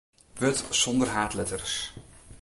Wurd sonder haadletters.